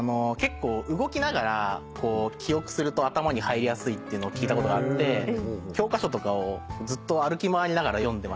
動きながら記憶すると頭に入りやすいっていうのを聞いたことがあって教科書とかをずっと歩き回りながら読んでました。